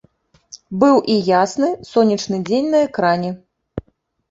Быў і ясны, сонечны дзень на экране.